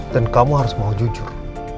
dan kamu harus mau jujur